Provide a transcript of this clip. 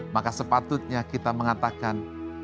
maka sepatutnya kita mengatakan